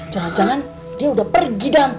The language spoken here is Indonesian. jangan jangan dia udah pergi dong